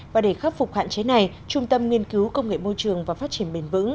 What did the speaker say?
và để khắc phục hạn chế này trung tâm nghiên cứu công nghệ môi trường và phát triển bền vững